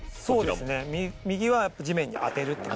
そうですね右は地面に当てる。